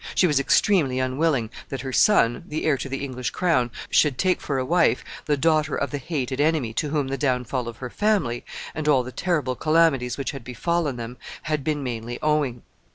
She was extremely unwilling that her son, the heir to the English crown, should take for a wife the daughter of the hated enemy to whom the downfall of her family, and all the terrible calamities which had befallen them, had been mainly owing.